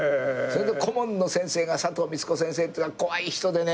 それで顧問の先生がサトウミツコ先生っていうのが怖い人でね。